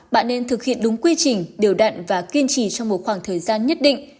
bạn nên thực hiện đúng quy trình điều đặn và kiên trì trong một khoảng thời gian nhất định